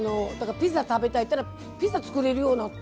ピザ食べたいって言ったらピザ作れるようになって。